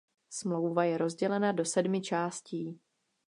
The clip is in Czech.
Smlouva je rozdělena do sedmi částí.